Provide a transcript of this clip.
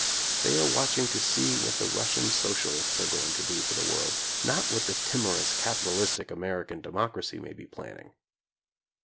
They are watching to see what the Russian socialists are going to do for the world, not what the timorous capitalistic American de mocracy may be planning.